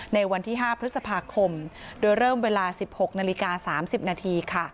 ในวันที่๕พฤษภาคมโดยเริ่มเวลา๑๖นาฬิกา๓๐นาทีค่ะ